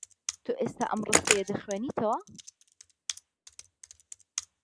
تۆ ئێستا ئەم ڕستەیە دەخوێنیتەوە.